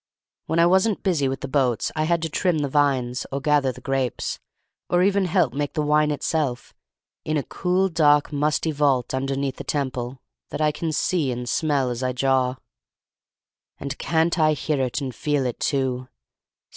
When I wasn't busy with the boats I had to trim the vines, or gather the grapes, or even help make the wine itself in a cool, dark, musty vault underneath the temple, that I can see and smell as I jaw. And can't I hear it and feel it too!